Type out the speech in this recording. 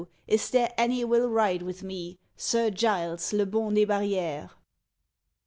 is there any will ride with me, Sir Giles, le bon des barrières?